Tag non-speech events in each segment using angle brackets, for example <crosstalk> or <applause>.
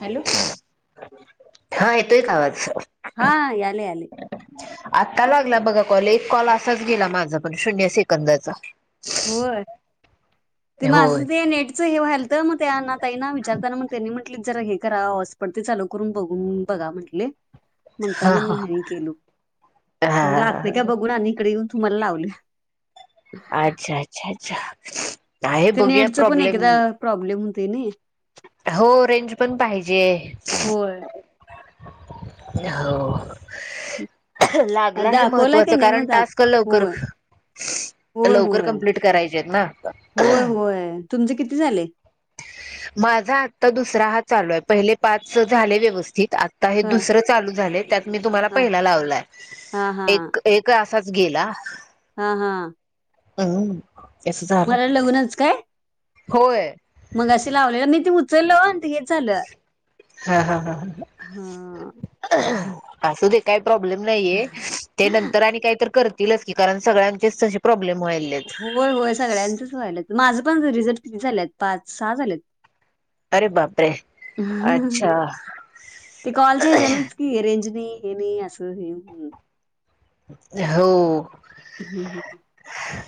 Hello हा येतोय का आवाज, हा याले आले, आत्ता लागला बघा कॉल एक कॉल असाच गेला माझा पण शून्य सेकंदाचा, हो ते म होय असं ते नेटच हे व्हायल तर मग त्यांना त ना विचारताना मग त्यांनी म्हण म्ह जरा हे हॉस्पॉट पण ते चालू करून बघून बघा म्हटले. हा म्हणताना मा केल हा मला आ का हा बघून आणि इकडे येऊन. तुम्हाला लावले, अच्छा अच्छा अच्छा, आहे ते बघूया नेटच पण प्रॉब्लेम एकदा प्रॉब्लेम होते ना, हो रेंज पण पाहिजे होय <unintelligible> हो, लागला हे दाखवला का महत्वाचं नाही मग कारण दाख टास्क लवकर होय होय लवकर होय कम्प्लीट करायचे आहेत ना होय होय तुमचे किती झाले माझा आत्ता दुसरा हा चालू आहे पहिले पाच झाले व्यवस्थित आता हे हा दुसर चालू झाले त्यात मी तुम्हाला हा पहिला लावलाय हा हा एक एक च गेला हा हा <unintelligible> झालं मला लग्नच काय होय मग अशी लावले नी ती उचल व्हय हे झालं हा हा हा हा असू दे काही प्रॉब्लेम नयीये ते होय, नंतर आणि काही तरी करतीलच कि कारण सगल्यानाचेच तसे प्रॉब्लेम व्हायलेत होय होय सगळ्यांचंच व्हायलं माझं रिझल्ट त झालेत पाच सहा झालेत अरे बापरे अच्छा ते कॉलच्या आहे जनस कि रेंज <unintelligible> <unintelligible> <unintelligible>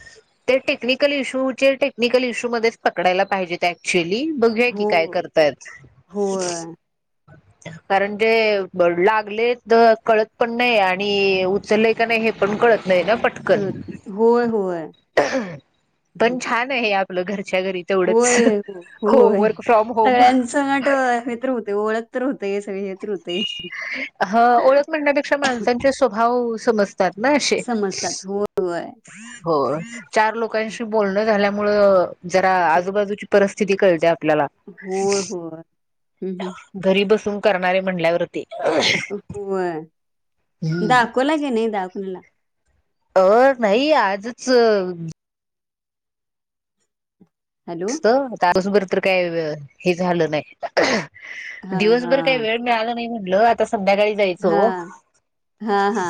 ते टेक्निकल इश्यूचे टेक्निकल इश्यूमध्येच पकडायला पाहिजेत ते ऍक्च्युअली बघू या हो, काय करताय होय. कारण ज लागले तर कळत पण नाही आणि चलय का नाही हे पण कळत नाही ना कळत पटकन नाही. होय, होय. पण हम्म. छान आहे घरच्या घरी तेवढंच होय हो होय वर्क फ्रॉम होम सगळ्यां सं नट <unintelligible> ओळख <unintelligible> ह ओळख म्हणण्यापेक्षा माणसांचे स्वभाव समजते समजतात. होय, होय. चार लोकांशी बोलणं जरा आजूबाजूची परिस्थिती कळत्यात होय, होय. हं, घरी बसून करणारे म्हणल्यावर हो हम्म दाखवला के नाही दाखववला अ नाही आजच हॅलो? तस बर तर काय हे झालं नाही हां, दिवसभर काही वेळ मिळाला नाही म्हटल आता संध्याकाळी जायचं हा हो हा हा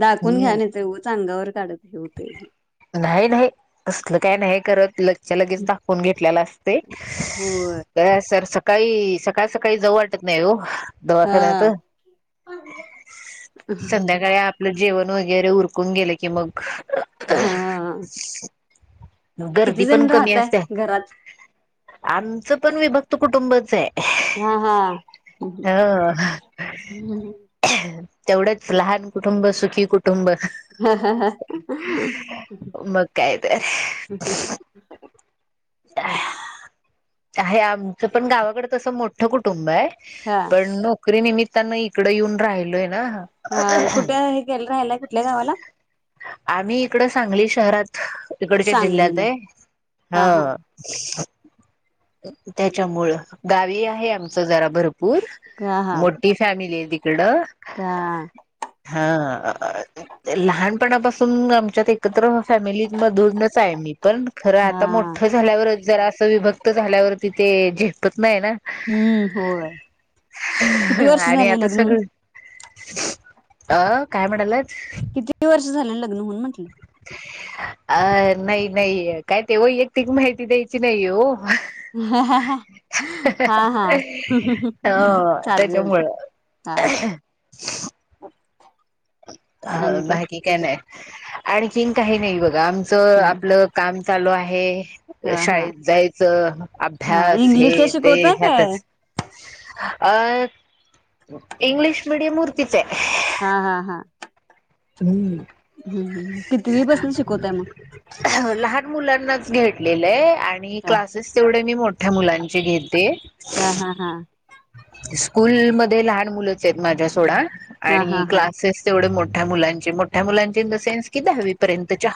दाखवून हम्म घ्या नाही तेव उगाच अंगावर काढत होतय कि नाही नाही असलं काही नाही करत ल लगेच दाखवून घेतलेला असतेय होय. तर सर काही सकाळ सकाळी जाऊ वाटत नाही हो दवाखान्यात हा संध्याकाळी आपले जेवण वगैरे उरकून गेले की मग हं गर्दी पण कमी असते घरात? आमचं पण विभक्त कुटुंबच हे हं हं ह <unintelligible> तेवढंच लहान कुटुंब सुखी कुटुं हं हं हं मग काय तर आहे आमचं पण गावाकडे तसं मोठं कुटुंब आहे हा पण नोकरी निमि त्यांना इकड येऊन राहिलोय ना हा कुठे हे गेलं राहिलय कुठल्या गावाला आम्ही इकड सांगली शहरात इकडच्या जिल्ह्यात सांगलीला आहे हा त्याच्यामुळ गावी आहे आमच जरा भरपूर हा हा मोठी फॅमिली कडा हा हा लहानपणापासून आमच्यात एकत्र फॅमिलीत मधूनच आहे मी पण खरं आता हा मोठं झाल्यावरच जरा अस विभक्त झाल्यावर तिथे झेप नाही ना हम्म होय. किती वर्ष आणि झाले आता लग्न होऊन? सगळ अ काय म्हणालात किती वर्ष झाले लग्न म्हणून म्हटलं अ नाही नाही काय ते वैयक्तिक माहिती द्यायची नाही हो हा हा ह चालेल ते त्याच्यामुळं हा अ बाकी काय नाय आणखीन काही नाही बघा आमचं आपलं काम चालू आहे हा हा शाळेत जायचं हा अभ्यास इंग्लिशला हे ते शिकवताय काय ह्यातच अ इंग्लिश मीडियम वरतीच आहे. हा हा हा. हम्म कितवी पासन शिकवताय मग ह लहान मुलांनाच घेतलेलंय आणि हा क्लासेस तेवढे मी मोठ्या मुलांचे घेते हा हा हा. स्कूल मध्ये लहान मुलंच आहेत माझ्या सोडा हा हा आणि हा क्लासेस तेवढे मोठ मोठ्या मुलांचे मोठ्या मुलांचे इन द सेन्स कि दहावी पर्यंत चा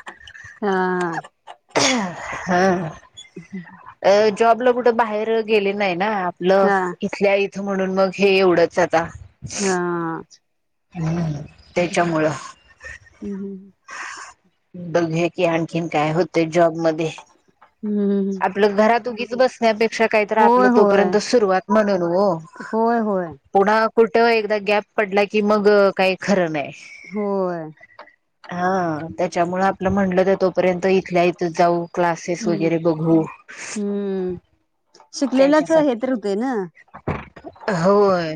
हा. हा. <unintelligible> जॉबला कुठं बाहेर गेले नाही ना आपलं हा इथल्या इथं म्हणून मग हे एवढंच आता हा. हम्म त्याच्यामुळं हम्म बघ की आणखीन काय होत जॉबमध्ये आपलं घरातूनी बसण्यापेक्षा काहीत आपलं होय होय तोपर्यंत सुरुवात म्हणून हो होय होय. कुठ एकदा गॅप पडला की मग काही खरं नाही होय हा त्याच्यामुळ आप म्हटलं तर तोपर्यंत इथल्या इथ जाऊ क्लासेस हम्म वगैरे बघू शिकलेलंच हे त्याच्यासाठी तर होतय ना. होय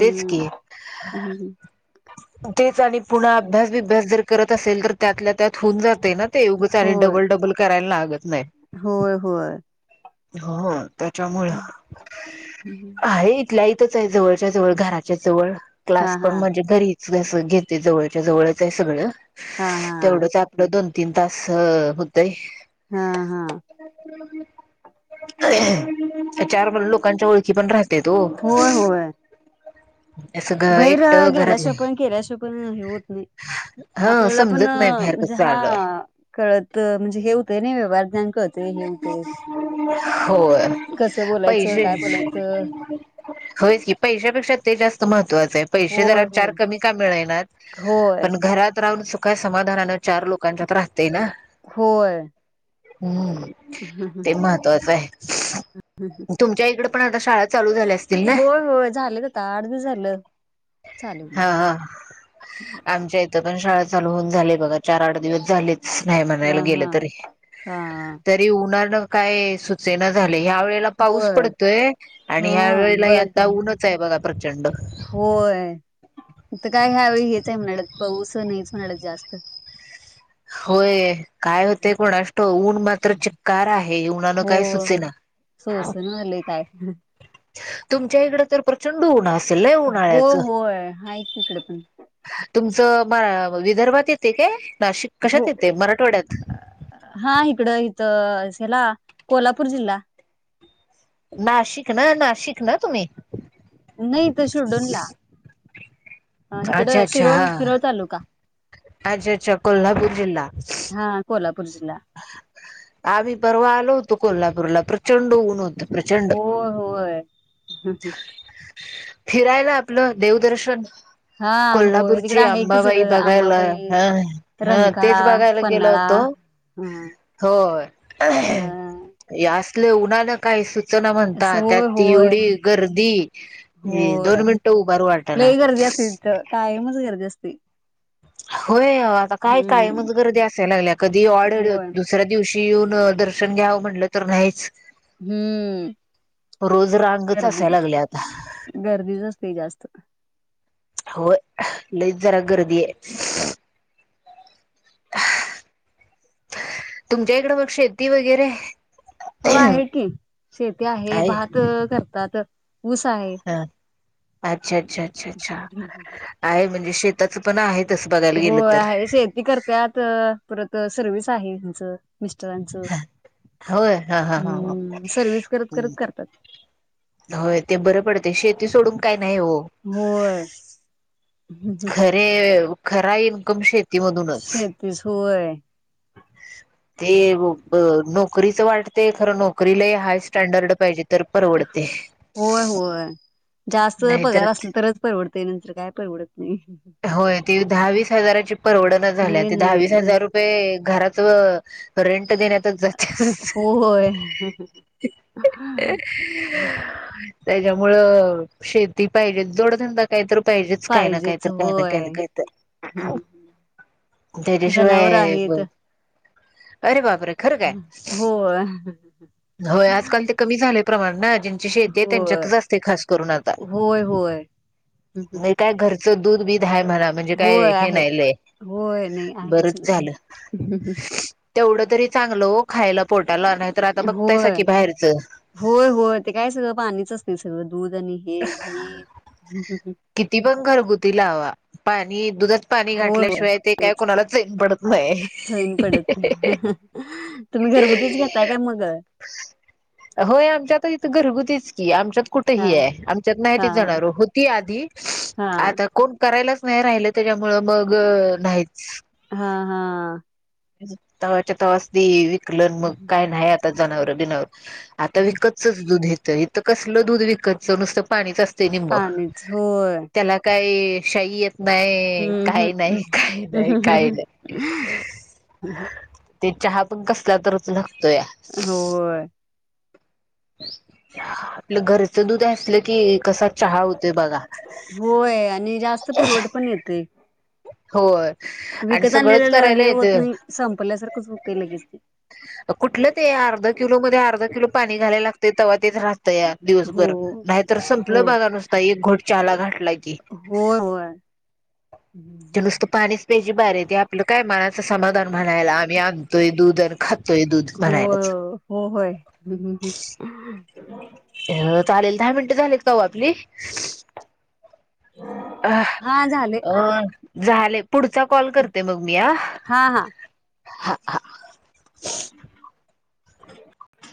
तेच की हम्म तेच आणि पुन्हा अभ्यास विभ्यास जर करत असेल तर त्यातल्या त्यात होऊन जाते ना ते एवगंच आणि होय डबल डबल करायला लाग. होय होय. हो त्याच्यामु आहे इथल्या आहे जवळच्या जवळ घराच्या जवळ हा क्लास हा पण म्हणजे जव जव सगळवढ हा हा तेवढेच आपलं दोन तीन तास होतेय. हा हा. <unintelligible> चार लोकांच्या ओळखी पण राहत्यात हो. भैर गेल्याश नाही पण केल्याश पण हे होत नाही. हा आपल्याला पण समजत नाही बाहेर म्हणजे कस हा चालू आहे कळत म्हणजे हे होतय नाही व्य हो कसं पई बोलायचं शे काय बोलायचं होयचं की पैशापेक्षा ते जास्त महत्त्वाचं आहे. पैसे होय जर चार कमी का मिळेनातं होय पण घरात राहून सुखा समाधानानं चार लोकांच्यात राहतेय ना होय हम्म. ते होय महत्त्वाचं आहे तुमच्या इकड पण आता शाळा चालू झाल्या असतील ना होय होय झालेत आता आठ दिवस झालं. चालू हा आमच्या इथं पण शाळा चालू होऊन झाले बघा चार आठ दिवस झालेच नाही हा म्हणायला गेलं हा तरी. हा. <unintelligible> काय सु सुचेना झाले ह्या वेळेला पाऊस होय पडतोय आणि हा ह्या वेळेला बघ यंदा ते ऊनच आहे बघा प्रचंड. होय तर काय ह्यावेळी हेचंय म्हणाल्यात पाऊस नाहीच म्हणाल्यात जास्त. होय काय होतेय कोणास ठाउक ऊन मात्र चिक्कार आहे उन्हानं काय सुचेना सोसना झालेयं कायं. तुमच्या इकड तर प्रचंड ऊन- लय हो उन्हाळ्याचं होय हाऐ इकडे पण. म विदर्भात येते काय नाही. हो कश्यात येते मराठवाड्यात. हा इकडं इथं कोल्हापूर जिल्हा. नाशिक ना नाशिक ना तुम्ही. नाही इथं शिरडोनला अच्छा इकडं अच्छा हा. शिरोळ शिरोळ तालुका अच्छा अच्छा कोल्हापूर जिल्हा. हा कोल्हापूर जिल्हा आम्ही परवा आलो होतो कोल्हापूरला प्र - प्रचंड ऊन होत प्रचंड. होय होय फिरायला आपलं देवदर्शन. हा होय तिकडे कोल्हापूरची आहे की अंबाबाई सगळं बघायला आंबाबाई ह हं तेच रंकाळा बघायला गेलं होत. पन्हाळा हा हो अ या असलं उन्हाला काय सु- चना असं म्हणता त्यात होय ती होय एवढी गर्दी दोन होय मिनिटं उभारू वाटाना. लई गर्दी तिथं कायमचं गर्दी असते. होय आता काय हम्म कायमच गर्दी असायला लागल्या कधी ऑड होय दुसऱ्या दिवशी. येऊन दर्शन घ्यावं म्हटलं तर नाहीच. हम्म रोज रांगच असायला गर्दीच लागल्या आता गर्दी आसते जास्त. हो लयच जरा गर्दीे आहे. तुमच्या इकडं मगं शेती वगैरे. हो आहे की शेती आहे भात करतात. ऊस आहे हा अच्छा अच्छा अच्छा अच्छा आहे म्हणजे शेताच पण आहे. तसं बघायला हो गेलं तर आहे शेती करतात परत सर्विस आहे हेंच. मिस्टरांच होय हा हा हा ह हम् सर्विस करत करत करतात. होय ते बरं पडते शेती सोडून काय नाही हो. होय खरे खरा इन्कम शेती. शेतीच होय. ते नोकरीच वाटते खरं नोकरी लय हाय स्टँडर्ड पाहिजे. तर परवडते. होय होय जास्त नाहीतर पगार असल तरच परवडते नंतर काय परवडत. नाही होय ती दहावीस हजाराची परवडना झाल्या नाही त दहावीस नाही नाही हजार रुपये घरात- रेंट देण्यातच जाते. होय <inaudible> त्याच्यामुळं शेती पाहिजेच जोडधंदा काही तर पाहिजेच काय ना काय तरं. <inaudible> अरे पाहिजेच होय हम्म जनावर आहेत बाप रे खरं काय होय होय आज काल ते कमी झाले. प्रमाण शती होय त्यांच्यात अस ख करून आ का होय होय दुधीधा मला म्हणजे काय होय हे आहे नाही लय होय नाही आहेच बरच नाही झालं तेवढं तरी चांगलं खायला पोटाला नाही तर आता बघताय स की होय. बाहेरचं होय होय ते काय सगव पाणीच असतील सर्व दूध आणि हे द किती पण घरगुती लावा पाणी दुधात पाणी होय होय घाठल्याशिवाय ते काय कोणाला सेन पडत नाही सैन पडत नाही तुम्ही घरगुतीच घेताय काय मग होय आमच्यात इथ घरगुती की आमच्यात कुठ हा ह आहे आमच्यात हा नाही जाणार होती हा आता कोण करायलाच नाही राहिलं त्याच्यामु मग नाहीच हा हा तवाच्या तवास विकल मग काय नाही आता जनावर बिनावर आता विकतचच दूध येत इ तर कसलं दूध विकतच नुसतं पाणीच असत निंब पाणीच होय त्याला काय शाही येत नाही हम्म काही नाही काही नाही काही नाही हम हम ते चहा पण कसला तर त होय आपलं घरच दूध असलं की कसा चहा होतोय बघा होय आणि जास्त पुरवठ पण येते होय आणि विकत सगळंच आणलेलं करायला हे येत होत नाही संपल्यासारखंच होते लगेच ते कुठलं ते अर्ध किलो मध्ये अर्ध किलो पाणी घालायला लागत तेच राहत या दिवसभर हो नाहीतर संपलं हो बागा नुसत एक घोट चला घाटला की हम ते नुसतं पाणीच पाहिजे बारी आहेेत आपलं काय मनाचं समाधान म्हणायला आम्ही आणतोय दुध आणि खात हो हो होय ह् ह् अ चालेल दहा मिनटं झाले काहू आपली अ हा झाले अ झाले पुढचा कॉल करते मग मी हा हा. ह हम